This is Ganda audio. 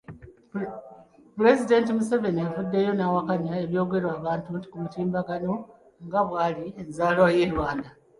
Pulezidenti Museveni avuddeyo n'awakkanya ebyogerwa abantu ku mutimbagano nga bwali enzaalwa y'e Rwanda.